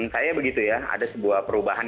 saya begitu ya ada sebuah perubahan